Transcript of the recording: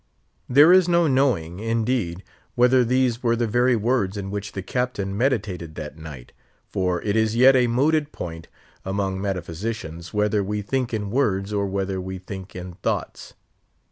There is no knowing, indeed, whether these were the very words in which the Captain meditated that night; for it is yet a mooted point among metaphysicians, whether we think in words or whether we think in thoughts.